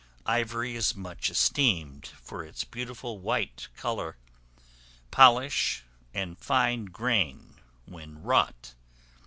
Ivory is much esteemed for its beautiful white color, polish, and fine grain when wrought.